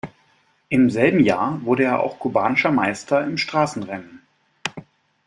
Im selben Jahr wurde er auch kubanischer Meister im Straßenrennen.